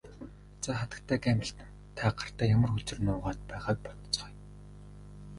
За хатагтай Гамильтон та гартаа ямар хөзөр нуугаад байгааг бодоцгооё.